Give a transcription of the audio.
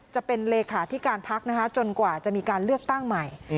จะเป็นเลขาที่การพักนะคะจนกว่าจะมีการเลือกตั้งใหม่